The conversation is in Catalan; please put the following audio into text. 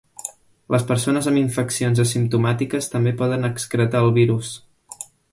Les persones amb infeccions asimptomàtiques també poden excretar el virus.